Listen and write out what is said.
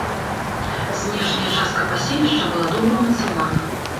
Знешняя частка паселішча была добра ўмацавана.